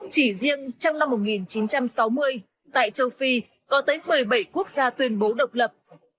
chỉ riêng trong năm một nghìn chín trăm sáu mươi tại châu phi có tới một mươi bảy quốc gia tuyên bố độc lập